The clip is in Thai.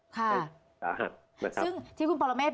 ค่ะซึ่งที่คุณปรเมศ